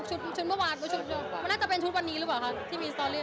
ชุดที่เข้าห้องดำไม่ชุดเมื่อวานมันน่าจะเป็นชุดวันนี้หรือเปล่าคะที่มีสตอรี่